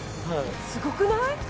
「すごくない？」